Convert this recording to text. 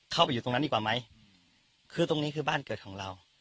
อยู่ตรงนั้นดีกว่าไหมคือตรงนี้คือบ้านเกิดของเรา